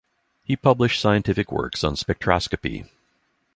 He published scientific works on spectroscopy.